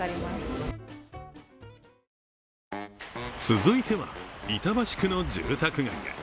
続いては、板橋区の住宅街へ。